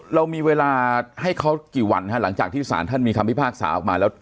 เรามีเวลาให้เขากี่วันฮะหลังจากที่สารท่านมีคำพิพากษาออกมาแล้ว